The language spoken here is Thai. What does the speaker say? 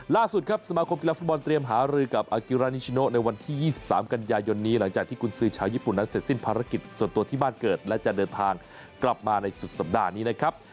ล่าสุดครับสมาคมกีฬาฟุตบอลเตรียมหารือกับอากิรานิชโนในวันที่๒๓กันยายนนี้หลังจากที่กุญสือชาวญี่ปุ่นนั้นเสร็จสิ้นภารกิจส่วนตัวที่บ้านเกิดและจะเดินทางกลับมาในสุดสัปดาห์นี้นะครับ